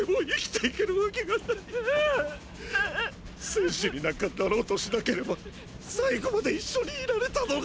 戦士になんかなろうとしなければ最期まで一緒にいられたのに！